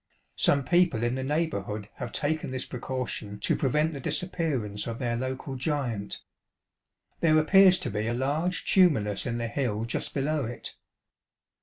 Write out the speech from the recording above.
Some people in the neighbourliood have taken this precaution to prevent the disappearance of their local giant. There appears to be a large tumulus in the hill just below it.